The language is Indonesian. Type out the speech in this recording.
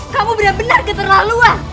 kamu benar benar keterlaluan